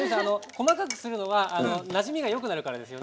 細かくするのはなじみがよくなるからですか？